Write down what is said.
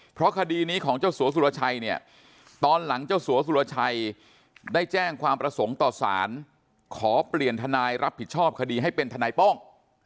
เพราะคดีนี้ของเจ้าสัวสุรชัยเนี่ยตอนหลังเจ้าสัวสุรชัยได้แจ้งความประสงค์ต่อสารขอเปลี่ยนทนายรับผิดชอบคดีให้เป็นทนายโป้ง